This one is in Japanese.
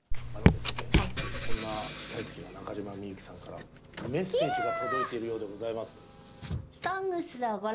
そんな大好きな中島みゆきさんからメッセージが届いているようでございます。